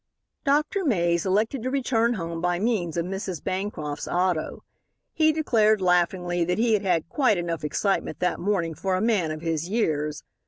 Dr. Mays elected to return home by means of Mrs. Bancroft's auto. He declared, laughingly, that he had had quite enough excitement that morning for a man of his years.